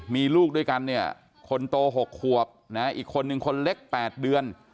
มีลูกด้วยกันเนี่ยคนโต๖ขวบนะอีกคนนึงคนเล็ก๘เดือน